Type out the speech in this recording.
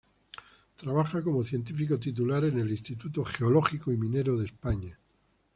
Trabaja como científico titular en el Instituto Geológico y Minero de España.